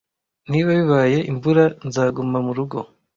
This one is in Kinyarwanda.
Niba bibaye imvura nzaguma murugo.